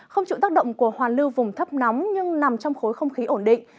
không chịu tác động của hoàn lưu vùng thấp nóng nhưng nằm trong khối không khí ổn định